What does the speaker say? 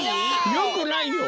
よくないよ。